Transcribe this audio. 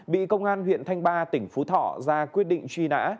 bị công an huyện thanh ba tỉnh phú thọ ra quyết định truy nã